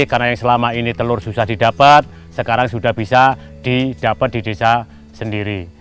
karena yang selama ini telur susah didapat sekarang sudah bisa didapat di desa sendiri